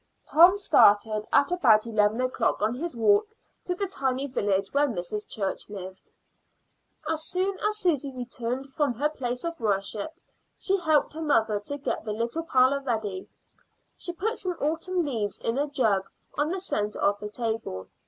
Tom started at about eleven o'clock on his walk to the tiny village where Mrs. Church lived. As soon as Susy returned from her place of worship she helped her mother to get the little parlor ready. She put some autumn leaves in a jug on the center of the table.